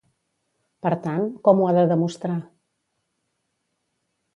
Per tant, com ho ha de demostrar?